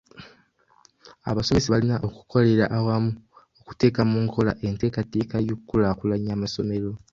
Abasomesa balina okukolera awamu okuteeka mu nkola enteekateeka y'okukulaakulanya amasomero.